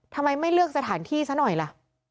ทำไมไม่เลือกสถานที่ซะหน่อยล่ะ